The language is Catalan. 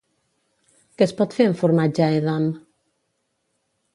Què es pot fer amb formatge Edam?